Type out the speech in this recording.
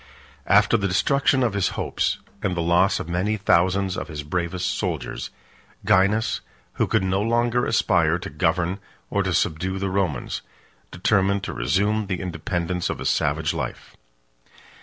After the destruction of his hopes, and the loss of many thousands of his bravest soldiers, Gainas, who could no longer aspire to govern or to subdue the Romans, determined to resume the independence of a savage life.